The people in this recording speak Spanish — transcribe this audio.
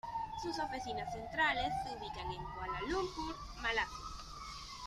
Sus oficinas centrales se ubican en Kuala Lumpur, Malasia.